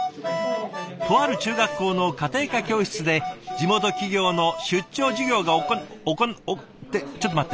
とある中学校の家庭科教室で地元企業の出張授業が行わ行っってちょっと待って。